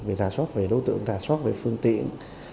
vì ra soát về đối tượng ra soát về phương tiện